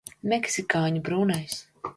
Meksikāņu brūnais.